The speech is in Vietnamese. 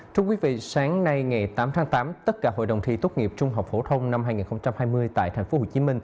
thưa quý vị sáng nay ngày tám tháng tám tất cả hội đồng thi tốt nghiệp trung học phổ thông năm hai nghìn hai mươi tại tp hcm